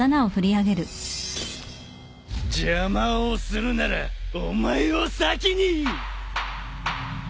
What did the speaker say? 邪魔をするならお前を先に！